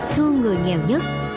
thương người nghèo nhất